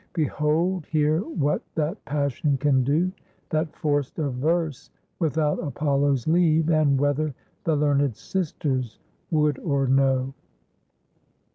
Behold here what that passion can do, That forced a verse without Apollo's leave, And whether the learned sisters would or no."